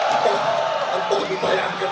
itu untuk dipayangkan